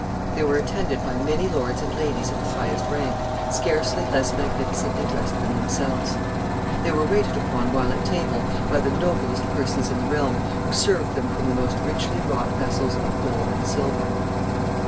They were attended by many lords and ladies of the highest rank, scarcely less magnificently dressed than themselves. They were waited upon, while at table, by the noblest persons in the realm, who served them from the most richly wrought vessels of gold and silver.